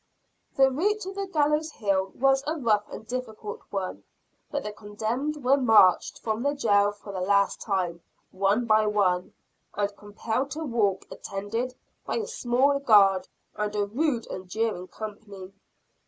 [Illustration: Marched from jail for the last time] The route to the gallows hill was a rough and difficult one; but the condemned were marched from the jail for the last time, one by one, and compelled to walk attended by a small guard and a rude and jeering company.